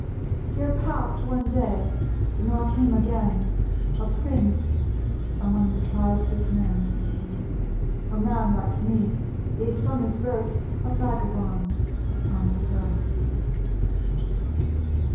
Here passed one day, nor came again, A prince among the tribes of men. (For man, like me, is from his birth A vagabond upon this earth.)